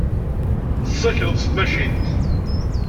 Tessakleḍ s tmacint.